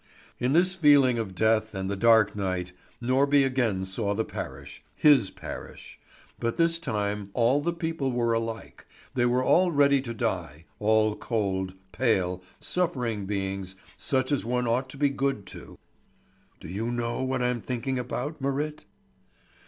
In this feeling of death and the dark night, Norby again saw the parish his parish; but this time all the people were alike, they were all ready to die, all cold, pale, suffering beings, such as one ought to be good to. "Do you know what I'm thinking about, Marit?"